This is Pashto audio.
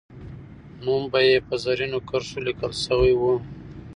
نوم یې به په زرینو کرښو لیکل سوی وو.